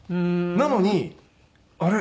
なのにあれ？